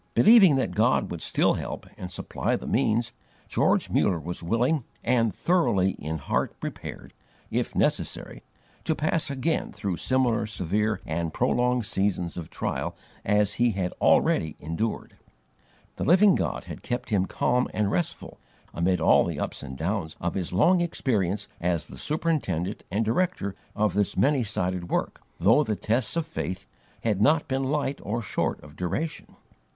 "* Believing that God would still help, and supply the means, George Muller was willing, and THOROUGHLY in heart prepared, if necessary, to pass again through similar severe and prolonged seasons of trial as he had already endured. * Narrative, IV. 389. The Living God had kept him calm and restful, amid all the ups and downs of his long experience as the superintendent and director of this many sided work, though the tests of faith had not been light or short of duration.